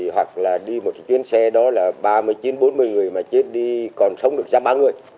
hoặc là đi một chuyến xe đó là ba mươi chín bốn mươi người mà chết đi còn sống được giam ba người